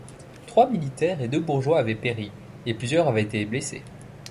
Trois militaires et deux bourgeois avaient péri, et plusieurs avaient été blessés.